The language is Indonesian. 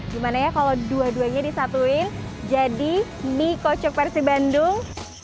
gimana ya kalau dua duanya disatuin jadi mie kocok persi bandung